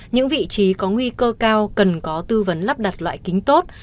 những vị trí có nguy cơ cao cần có tư vấn lắp đặt loại kính tốt